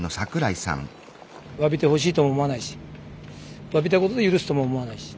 わびてほしいとも思わないしわびたことで許すとも思わないし。